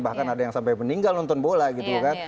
bahkan ada yang sampai meninggal nonton bola gitu kan